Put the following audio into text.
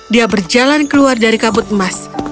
dia berjalan keluar dari kabut emas